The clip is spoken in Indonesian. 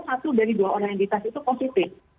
satu dari dua orang yang dites itu positif